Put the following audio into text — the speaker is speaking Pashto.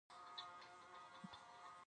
آیا دوی له چین سره سوداګري نه کوي؟